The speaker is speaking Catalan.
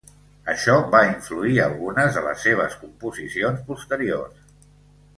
Això va influir algunes de les seves composicions posteriors.